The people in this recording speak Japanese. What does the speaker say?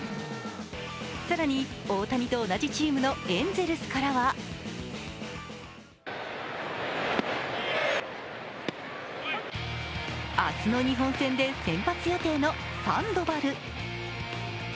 更に大谷と同じチームのエンゼルスからは明日の日本戦で先発予定のサンドバル。